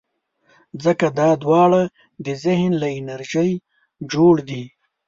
ځکه دا دواړه د ذهن له انرژۍ جوړ دي.